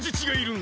ん？